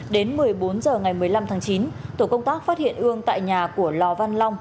đến một mươi bốn h ngày một mươi năm tháng chín tổ công tác phát hiện ương tại nhà của lò văn long